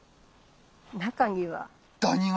中には。